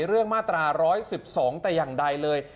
เรื่องมาตรา๑๑๒แต่อย่างใดเลย